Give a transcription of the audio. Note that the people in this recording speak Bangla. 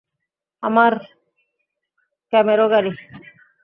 আমার ক্যামেরো গাড়ি।